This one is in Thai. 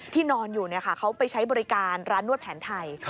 นอนอยู่เขาไปใช้บริการร้านนวดแผนไทย